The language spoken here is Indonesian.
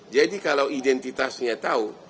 jadi kalau identitasnya tahu